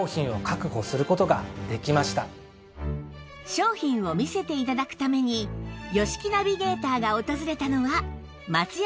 商品を見せて頂くために吉木ナビゲーターが訪れたのは松屋